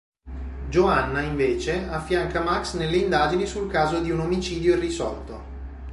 Joanna, invece, affianca Max nelle indagini sul caso di un omicidio irrisolto.